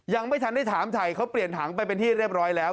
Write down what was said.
ยังไม่ทันได้ถามถ่ายเขาเปลี่ยนถังไปเป็นที่เรียบร้อยแล้ว